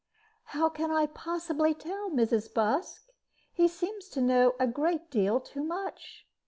"How can I possibly tell, Mrs. Busk? He seems to know a great deal too much.